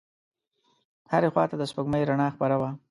هرې خواته د سپوږمۍ رڼا خپره وه.